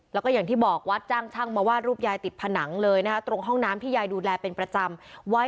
แล้วก็อย่างที่บอกวัดจ้างช่างมาวาดรูปยายติดผนังเลยนะคะตรงห้องน้ำที่ยายดูแลเป็นประจำ